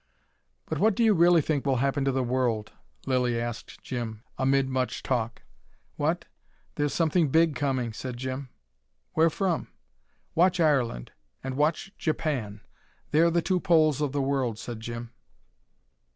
"But what do you really think will happen to the world?" Lilly asked Jim, amid much talk. "What? There's something big coming," said Jim. "Where from?" "Watch Ireland, and watch Japan they're the two poles of the world," said Jim.